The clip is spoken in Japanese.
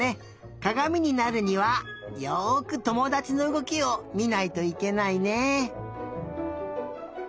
かがみになるにはよくともだちのうごきをみないといけないね。